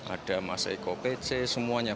ada mas eko pece semuanya